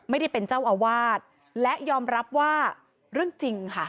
ไม่ได้เป็นเจ้าอาวาสและยอมรับว่าเรื่องจริงค่ะ